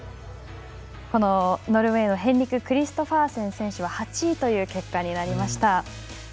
ノルウェーのヘンリク・クリストファーセン選手は８位という結果になりました。